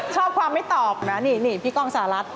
ชอบความไม่ตอบนะนี่พี่ก้องสหรัฐ